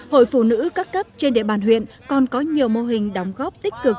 hội phụ nữ các cấp trên địa bàn huyện còn có nhiều mô hình đóng góp tích cực